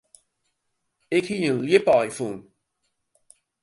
Ik hie in ljipaai fûn.